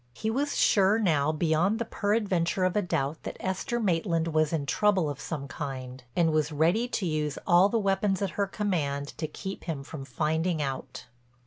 He was sure now beyond the peradventure of a doubt that Esther Maitland was in trouble of some kind, and was ready to use all the weapons at her command to keep him from finding it out.